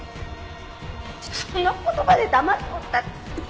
そんな言葉でだまそうったって。